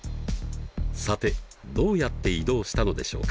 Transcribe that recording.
さてどうやって移動したのでしょうか？